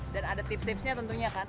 dan ada tips tipsnya tentunya kan